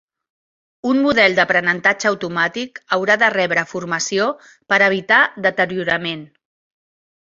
Un model d"aprenentatge automàtic haurà de rebre formació per evitar deteriorament.